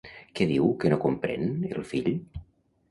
Què diu que no comprèn, el fill?